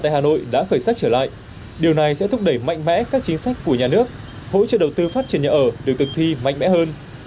hà nội đã khởi sát trở lại điều này sẽ thúc đẩy mạnh mẽ các chính sách của nhà nước hỗ trợ đầu tư phát triển nhà ở được thực thi mạnh mẽ hơn